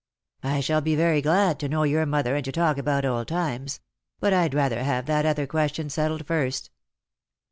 " I shall be very glad to know your mother, and to talk about old times. But I'd rather have that other question settled first."